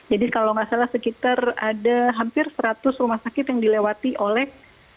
jadi kalau gak salah sekitar ada hampir seratus rumah sakit yang dilewati oleh